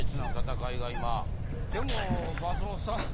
でも松本さん